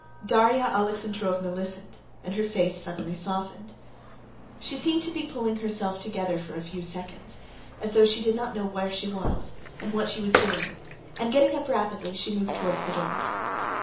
Darya Alexandrovna listened, and her face suddenly softened. She seemed to be pulling herself together for a few seconds, as though she did not know where she was, and what she was doing, and getting up rapidly, she moved towards the door.